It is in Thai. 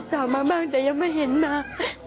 ถามมาบ้างแต่ยังไม่เห็นมา